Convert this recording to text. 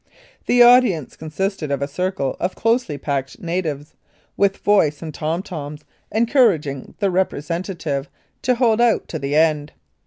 The audience consisted of a circle of closely packed natives, with voice and tom toms encouraging their representative to hold out to the end.